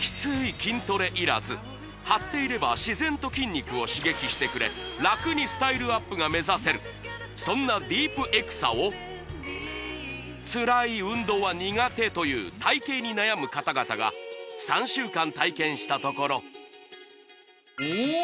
筋トレいらず貼っていれば自然と筋肉を刺激してくれそんなディープエクサをつらい運動は苦手という体形に悩む方々が３週間体験したところおおっ！